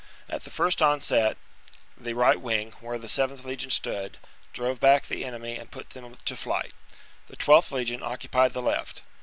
At the first onset, the right wing, where the 7th legion stood, drove back the enemy and put them to flight. The 12th legion occupied the left.